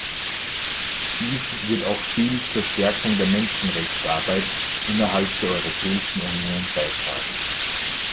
Dies wird auch viel zur Stärkung der Menschenrechtsarbeit innerhalb der Europäischen Union beitragen.